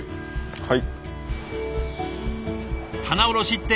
はい。